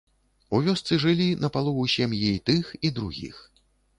У вёсцы жылі напалову сем'і і тых, і другіх.